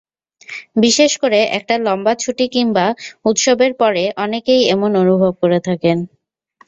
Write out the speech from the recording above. বিশেষ করে একটা লম্বা ছুটি কিংবা উৎসবের পরে অনেকেই এমন অনুভব করে থাকেন।